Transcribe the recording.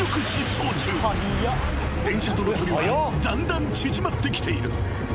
［電車との距離はだんだん縮まってきている。